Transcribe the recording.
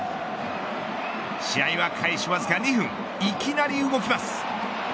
試合は開始わずか２分いきなり動きます。